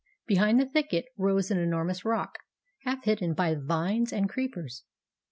Behind the thicket rose an enormous rock, half hidden by vines and creepers.